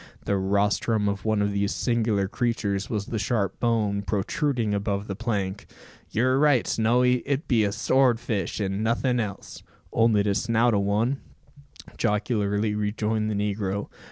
The rostrum of one of these singular creatures was the sharp bone protruding above the plank. "You're right, Snowy, it be a sword fish, and nothing else." "Only de snout o' one," jocularly rejoined the negro.